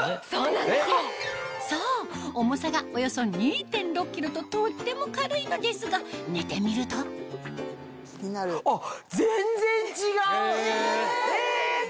そう重さがおよそ２．６ｋｇととっても軽いのですが寝てみるとあっ。